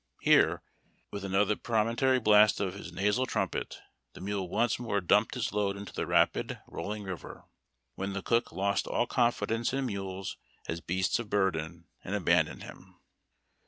Here, with another premonitory blast of his nasal trumpet, the mule once more dum})ed his load into the rapid rolling river, DU>rPED INTO THK P0TO:\IAC. when the cook lost all confidence in mules as beasts of burden, and abandoned him.